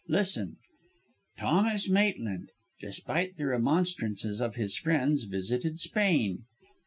Listen "'Thomas Maitland, despite the remonstrances of his friends, visited Spain.